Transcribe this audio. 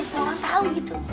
semua orang tahu gitu